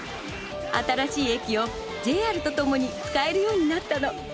新しい駅をＪＲとともに使えるようになったの。